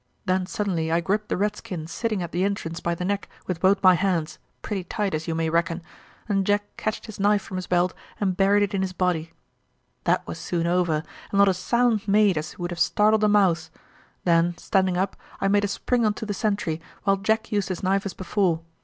Then suddenly I gripped the redskin sitting at the entrance by the neck with both my hands, pretty tight, as you may reckon, and Jack ketched his knife from his belt and buried it in his body. "That was soon over, and not a sound made as would have startled a mouse. Then, standing up, I made a spring on to the sentry, while Jack used his knife as before.